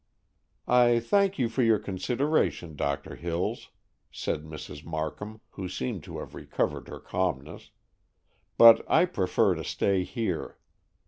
"I thank you for your consideration, Doctor Hills," said Mrs. Markham, who seemed to have recovered her calmness, "but I prefer to stay here.